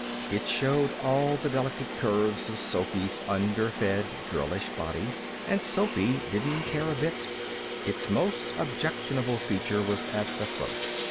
It showed all the delicate curves of Sophy's under fed, girlish body, and Sophy didn't care a bit. Its most objectionable feature was at the throat.